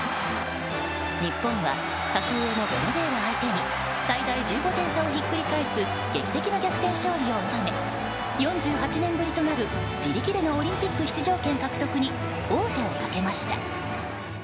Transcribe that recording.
日本は格上のベネズエラ相手に最大１５点差をひっくり返す劇的な逆転勝利を収め４８年ぶりとなる自力でのオリンピック出場権獲得に王手をかけました。